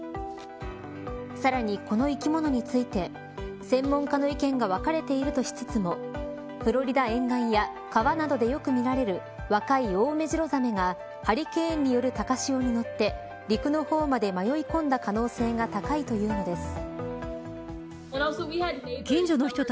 さらに、この生き物について専門家の意見が分かれているとしつつもフロリダ沿岸や川などでよく見られる若いオオメジロザメがハリケーンによる高潮に乗って陸の方まで迷い込んだ可能性が高いというのです。